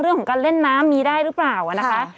เรื่องของการเล่นน้ำมีได้หรือเปล่านะคะ